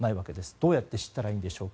どうしていったらいいんでしょうか。